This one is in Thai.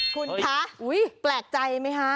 คุณท้าแปลกใจมั้ยคะ